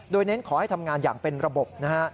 โดยเน้นขอให้ทำงานอย่างเป็นระบบนะฮะ